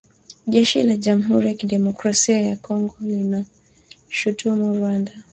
Jeshi la Jamuhuri ya Kidemokrasia ya Kongo linaishutumu Rwanda